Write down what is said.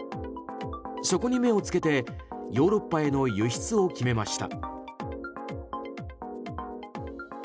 そこに目をつけてヨーロッパへの輸出を決めました。